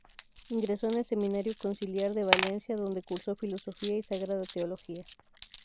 Ingresó en el Seminario Conciliar de Valencia, donde cursó Filosofía y Sagrada Teología.